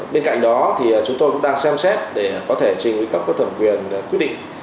bên cạnh đó chúng tôi cũng đang xem xét để có thể trình với các quốc tổng quyền quyết định